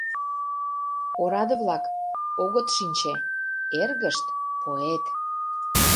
Ораде-влак, огыт шинче — эргышт поэт!